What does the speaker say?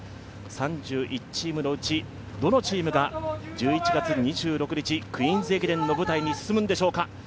３１チームのうちどのチームが１１月２６日、クイーンズ駅伝の舞台に進むんでしょうか。